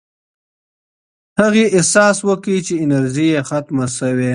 هغې احساس وکړ چې انرژي یې ختمه شوې.